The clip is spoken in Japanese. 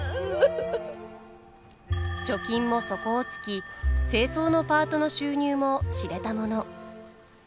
貯金も底をつき清掃のパートの収入も知れたもの。